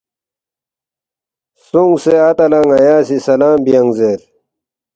سونگسے اتا لہ ن٘یا سی سلام بیانگ زیر